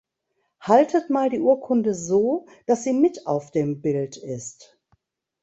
Haltet mal die Urkunde so, dass sie mit auf dem Bild ist!